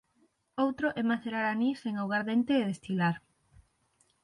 Outro é macerar anís en augardente e destilar.